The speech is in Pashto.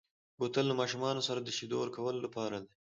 بوتل له ماشومو سره د شیدو ورکولو لپاره دی.